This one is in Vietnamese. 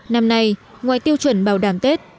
năm nay ngoài tiêu chuẩn bảo đảm tết